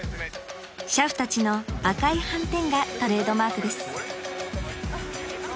［俥夫たちの赤いはんてんがトレードマークです］